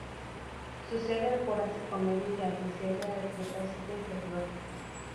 Sucede al Jurásico Medio y antecede al Cretácico Inferior.